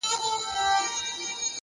عاجزي د دروند شخصیت نښه ده!.